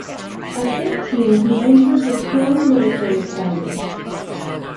At fifteen he entered the Turin Military Academy.